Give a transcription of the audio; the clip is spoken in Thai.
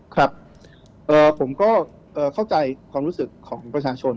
ครับผมก็เข้าใจความรู้สึกของประชาชน